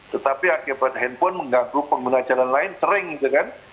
tetapi akibat handphone mengganggu pengguna jalan lain sering gitu kan